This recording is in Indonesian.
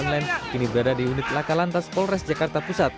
pengemudi ojek online kini berada di unit lakalan tas polres jakarta pusat